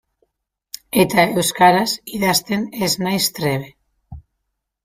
Eta euskaraz idazten ez naiz trebe.